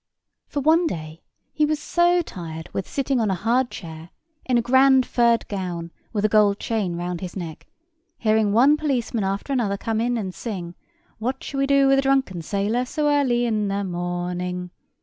For one day he was so tired with sitting on a hard chair, in a grand furred gown, with a gold chain round his neck, hearing one policeman after another come in and sing, "What shall we do with the drunken sailor, so early in the morning?"